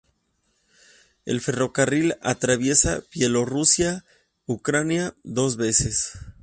El ferrocarril atraviesa Bielorrusia-Ucrania dos veces.